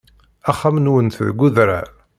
Axxam-nwent deg udrar.